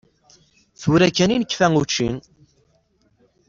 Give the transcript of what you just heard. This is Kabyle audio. Tura kan i nekfa učči.